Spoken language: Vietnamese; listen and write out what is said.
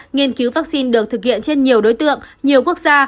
nghiên cứu vaccine được thực hiện trên nhiều đối tượng nhiều quốc gia